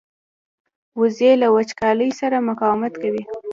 وزې له وچکالۍ سره مقاومت کوي